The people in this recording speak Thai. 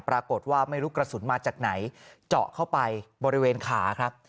ปรากฏว่าไม่รู้กระสุนมาจากไหนเจาะเข้าไปบริเวณขาครับ